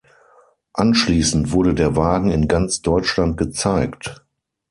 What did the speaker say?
Anschließend wurde der Wagen in ganz Deutschland gezeigt.